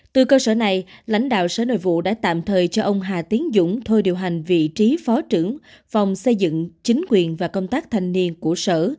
từ cơ sở này lãnh đạo sở nội vụ đã tạm thời cho ông hà tiến dũng thôi điều hành vị trí phó trưởng phòng xây dựng chính quyền và công tác thanh niên của sở